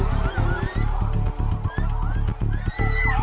จริง